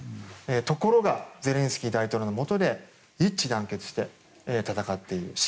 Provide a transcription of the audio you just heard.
ところがゼレンスキー大統領のもとで一致団結して戦っている。